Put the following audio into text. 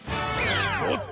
おっと！